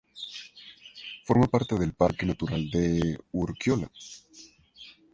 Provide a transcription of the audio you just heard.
Forma parte del Parque Natural de Urkiola.